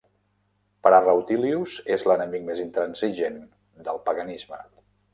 Per a Rutilius, és l'enemic més intransigent del paganisme.